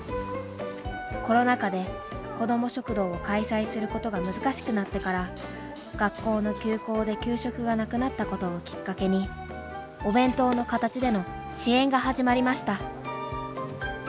コロナ禍で子ども食堂を開催することが難しくなってから学校の休校で給食がなくなったことをきっかけにお弁当の形での支援が始まりました。